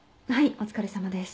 お疲れさまです。